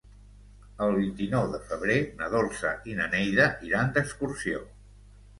El vint-i-nou de febrer na Dolça i na Neida iran d'excursió.